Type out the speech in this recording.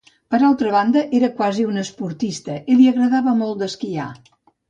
Per altra banda era quasi un esportista i li agradava molt d'esquiar.